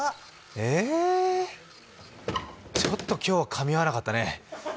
ええ、ちょっと今日はかみ合わなかったね。